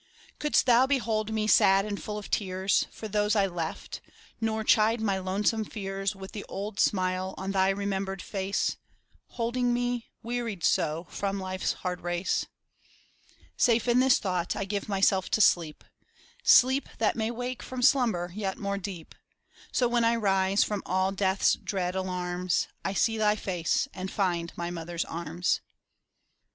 Couldst thou behold me sad and full of tears For those I left, nor chide my lonesome fears With the old smile on thy remembered face, Holding me, wearied so from life's hard race? THE SAD YEARS MOTHER (Continued) Safe in this thought, I give myself to sleep — Sleep that may wake from slumber yet more deep, So when I rise from all death's dresul alarms, I see thy face and find my mother's arms.